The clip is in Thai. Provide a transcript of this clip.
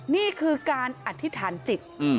นี่คือการอธิษฐานจิต